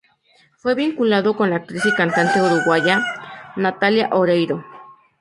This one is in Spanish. Fue vinculado con la actriz y cantante uruguaya: Natalia Oreiro.